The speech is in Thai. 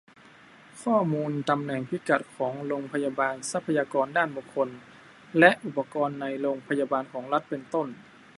ข้อมูลตำแหน่งพิกัดของโรงพยาบาล ทรัพยากรด้านบุคลากร และ อุปกรณ์ในโรงพยาบาลของรัฐ เป็นต้น